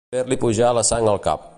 Fer-li pujar la sang al cap.